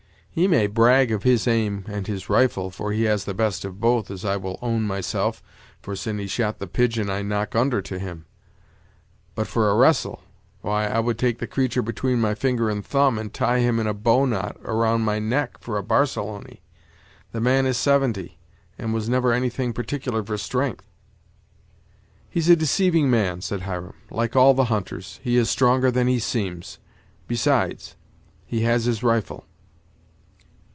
He may brag of his aim and his rifle, for he has the best of both, as I will own myself, for sin' he shot the pigeon I knock under to him; but for a wrestle! why, I would take the creatur' between my finger and thumb, and tie him in a bow knot around my neck for a Barcelony. The man is seventy, and was never anything particular for strength." "He's a deceiving man," said Hiram, "like all the hunters; he is stronger than he seems; besides, he has his rifle."